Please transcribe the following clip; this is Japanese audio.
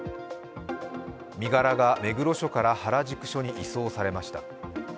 身柄が目黒署から原宿署に移送されました。